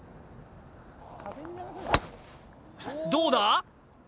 どうだ？